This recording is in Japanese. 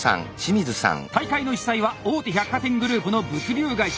大会の主催は大手百貨店グループの物流会社。